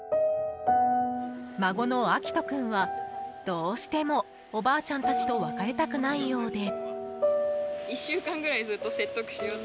孫の秋都君は、どうしてもおばあちゃんたちと別れたくないようで。